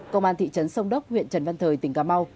công an thị trấn sông đốc huyện trần văn thời tỉnh cà mau